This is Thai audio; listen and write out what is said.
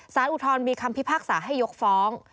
อุทธรณมีคำพิพากษาให้ยกฟ้อง